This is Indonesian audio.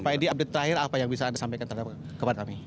pak edi update terakhir apa yang bisa anda sampaikan kepada kami